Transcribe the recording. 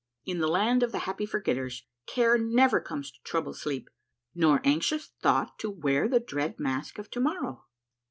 In the Land of the Happy Forgetters care never comes to trouble sleep, nor anxious thought to wear the dread mask of To morrow